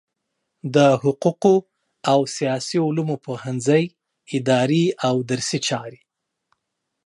د حقوقو او سیاسي علومو پوهنځی اداري او درسي چارې